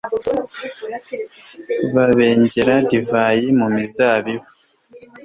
babengera divayi mu mizabibu